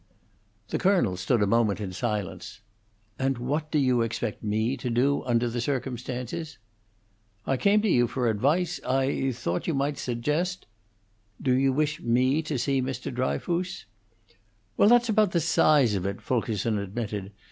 The colonel stood a moment in silence. "And what do you expect me to do under the circumstances?" "I came to you for advice I thought you might suggest ?" "Do you wish me to see Mr. Dryfoos?" "Well, that's about the size of it," Fulkerson admitted.